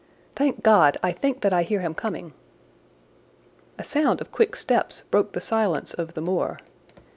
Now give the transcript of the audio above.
"Thank God, I think that I hear him coming." A sound of quick steps broke the silence of the moor.